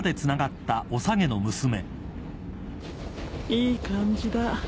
いい感じだ。